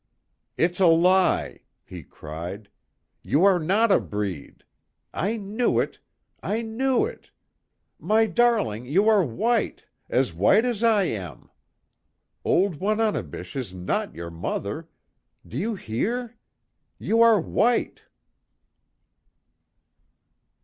"It's a lie!" he cried, "You are not a breed! I knew it! I knew it! My darling you are white as white as I am! Old Wananebish is not your mother! Do you hear? _You are white!